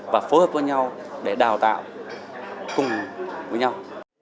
và phối hợp với nhau để đào tạo cùng với nhau